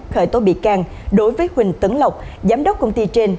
khởi tố bị can đối với huỳnh tấn lộc giám đốc công ty trên